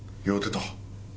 酔うてた。